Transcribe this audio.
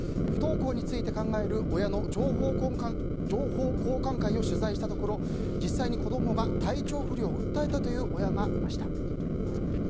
不登校について考える親の情報交換会を取材したところ実際に子供が体調不良を訴えたという親がいました。